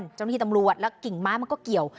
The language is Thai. เจ้าหน้าที่ตำรวจแล้วกิ่งไม้มันก็เกี่ยว